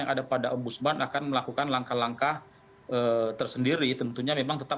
yang ada pada ombudsman akan melakukan langkah langkah tersendiri tentunya memang tetap